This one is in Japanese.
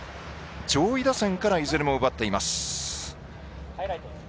上位打線からいずれも奪っています。